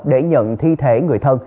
để nhận chữa